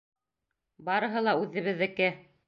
Барыһы ла үҙебеҙҙеке!